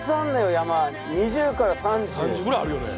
山２０から３０３０ぐらいあるよね